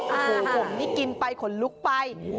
ผมนี่กินไปขนลุกไป